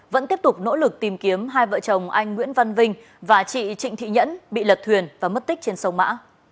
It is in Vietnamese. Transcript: vẫn tiếp tục nỗ lực tìm kiếm hai vợ chồng anh nguyễn văn vinh và chị trịnh thị nhẫn bị lật thuyền và mất tích trên sông mã